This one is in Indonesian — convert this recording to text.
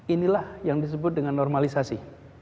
inilah yang disebut dengan normalisasi